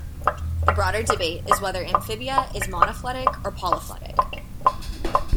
The broader debate is whether "Amphibia" is monophyletic or polypheletic.